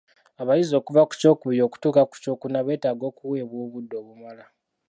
Abayizi okuva ku kyokubiri okutuuka ku kyokuna beetaga okuweebwa obudde obumala.